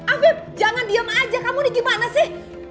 abeb jangan diam aja kamu nih gimana sih